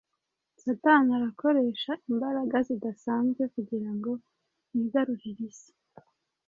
Satani arakoresha imbaraga zidasanzwe kugira ngo yigarurire isi.